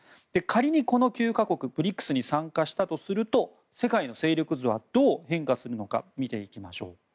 仮にこの９か国ＢＲＩＣＳに参加したとすると世界の勢力図はどう変化するのか見ていきましょう。